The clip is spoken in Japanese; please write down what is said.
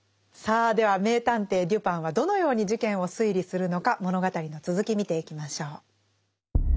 さあでは名探偵デュパンはどのように事件を推理するのか物語の続き見ていきましょう。